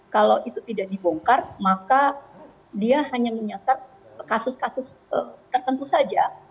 kalau itu tidak dibongkar maka dia hanya menyasar kasus kasus tertentu saja